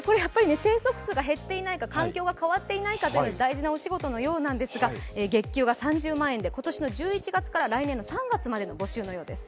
生息数が減っていないか環境が変わっていないか大事なお仕事のようなんですが、月給が３０万円で、今年の１１月から来年の３月まで募集のようです。